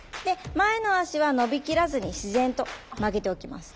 前の足は伸び切らずに自然と曲げておきます。